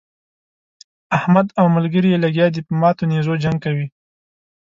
احمد او ملګري يې لګيا دي په ماتو نېزو جنګ کوي.